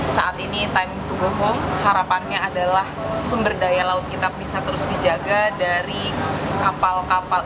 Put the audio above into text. saat ini time to gong harapannya adalah sumber daya laut kita bisa terus dijaga dari kapal kapal